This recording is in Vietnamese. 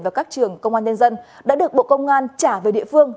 và các trường công an nhân dân đã được bộ công an trả về địa phương